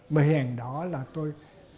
mới hình đó là tôi